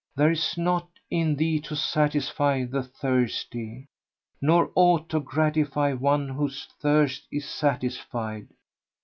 there is naught in thee to satisfy the thirsty, nor aught to gratify one whose thirst is satisfied!